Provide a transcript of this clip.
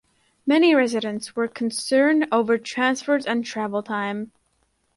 Many residents were concern over transfers and travel time.